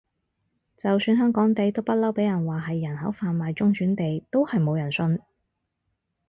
就算香港地都不嬲畀人話係人口販賣中轉地，都係冇人信